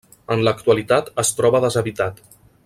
En l'actualitat es troba deshabitat.